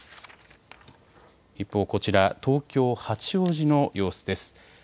一方こちら、東京八王子の様子です。